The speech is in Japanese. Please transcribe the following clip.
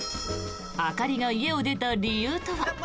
灯が家を出た理由とは。